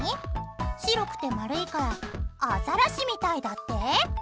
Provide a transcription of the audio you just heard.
白くて丸いからアザラシみたいだって？